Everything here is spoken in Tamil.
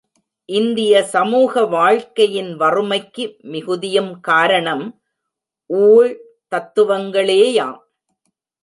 இந்திய சமூக வாழ்க்கையின் வறுமைக்கு மிகுதியும் காரணம் ஊழ் தத்துவங்களேயாம்.